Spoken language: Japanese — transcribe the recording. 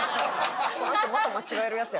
この人また間違えるやつや。